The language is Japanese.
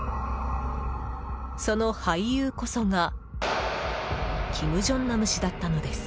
その俳優こそが金正男氏だったのです。